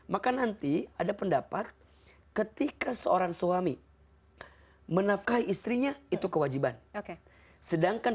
maka nanti ada pendapat ketika seorang suami menafkahi istrinya itu kewajiban oke sedangkan